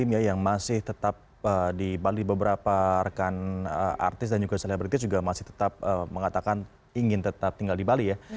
hanya ada yang mempertaruhkan bahwa di bali sudah ada banyak pelayar dan pengguna artis dan juga selebritis yang masih tetap mengatakan ingin tetap tinggal di bali ya